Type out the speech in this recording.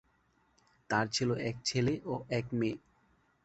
তার ছিল এক ছেলে ও এক মেয়ে।